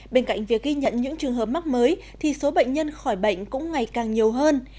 bên cạnh việc ghi nhận những trường hợp mắc mới thì số bệnh nhân khỏi bệnh cũng ngày càng nhiều hơn